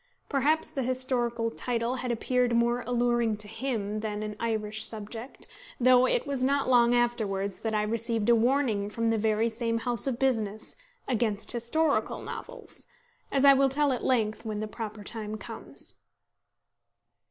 Perhaps the historical title had appeared more alluring to him than an Irish subject; though it was not long afterwards that I received a warning from the very same house of business against historical novels, as I will tell at length when the proper time comes.